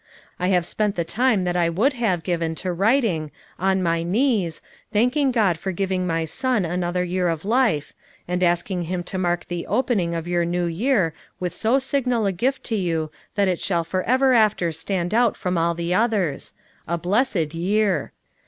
I have spent the time that I would have given to writing, on my knees, thanking God for giving my son another year of life, and asking him to mark the opening of your new year with so signal a gift to you that it shall forever after stand out from all the others,— a blessed year.